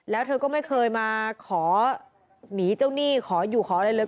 แล้วเธอก็ไม่เคยมาขอหนีเจ้าหนี้ขออยู่ขออะไรเลย